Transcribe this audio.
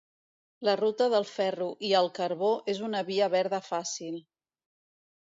La ruta del ferro i el carbó és una via verda fàcil.